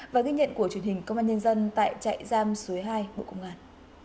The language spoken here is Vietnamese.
đây là bản tin của truyền hình công an nhân dân tại trại giam suối hai bộ công an